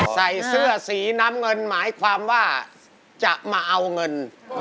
ใส่เสื้อสีน้ำเงินหมายความว่าจะมาเอาเงิน